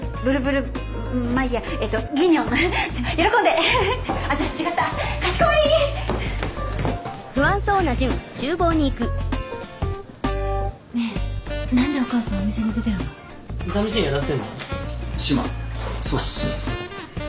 すいません。